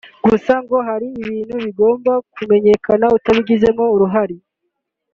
gusa ngo hari ibiba bigomba kumenyekana utabigizemo uruhare